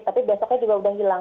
tapi besoknya juga udah hilang